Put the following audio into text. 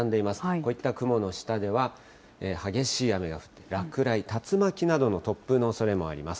こういった雲の下では、激しい雨、落雷、竜巻などの突風のおそれもあります。